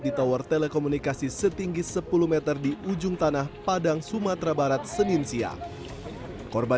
di tower telekomunikasi setinggi sepuluh m di ujung tanah padang sumatera barat senin siang korban